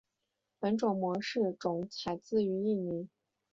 本种模式种采自于印尼。